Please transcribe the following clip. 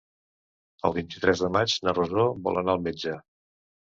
El vint-i-tres de maig na Rosó vol anar al metge.